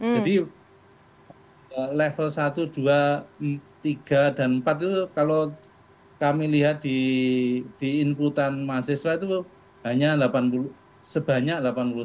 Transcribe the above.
jadi level satu dua tiga dan empat itu kalau kami lihat di inputan mahasiswa itu hanya delapan puluh sebanyak delapan puluh satu